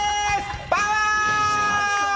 パワー！